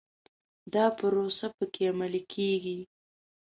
دا پروسه په کې عملي کېږي.